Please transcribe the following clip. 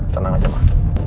tenang aja ma